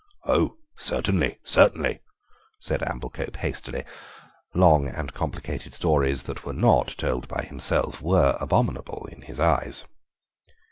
"Oh, certainly, certainly," said Amblecope hastily; long and complicated stories that were not told by himself were abominable in his eyes.